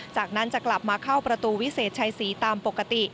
จากนั้นจะกลับมาเข้าประตูวิเศษชัยศรีตามปกติ